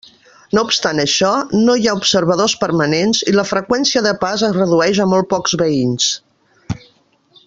No obstant això, no hi ha observadors permanents i la freqüència de pas es redueix a molt pocs veïns.